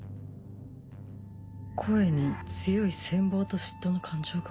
声に強い羨望と嫉妬の感情が